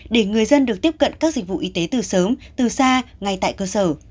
để người dân được tiếp cận các dịch vụ y tế từ sớm từ xa ngay tại cơ sở